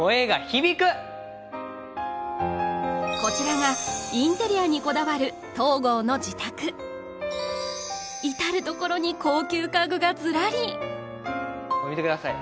こちらがインテリアにこだわる東郷の自宅至る所に高級家具がずらり見てください